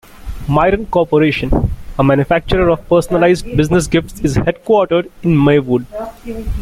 Myron Corporation, a manufacturer of personalized business gifts, is headquartered in Maywood.